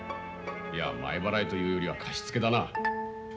いや前払いというよりは貸し付けだな。